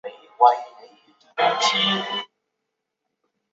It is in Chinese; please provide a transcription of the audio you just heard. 拟酒眼蝶属是眼蝶亚科眼蝶族眼蝶亚族中的一个属。